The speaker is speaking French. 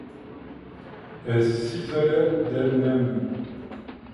Elle s’isolait d’elle-même.